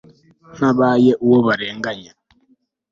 ntabaye uwo barenganya